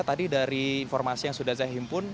tadi dari informasi yang sudah saya himpun